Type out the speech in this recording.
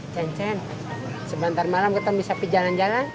cen cen sebentar malam kita bisa pergi jalan jalan